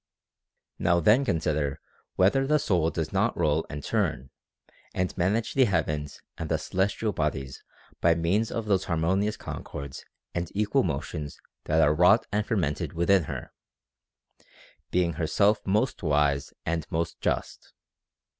'So. Now then consider whether the soul does not roll and turn and manage the heavens and the celestial bodies by means of those harmonious concords and equal motions that are wrought and fermented within her, being herself most wise and most just.